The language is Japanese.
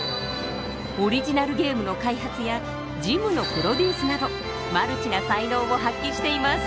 オリジナルゲームの開発やジムのプロデュースなどマルチな才能を発揮しています。